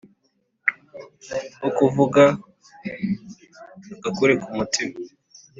wo kuvuga akakuri ku mutima.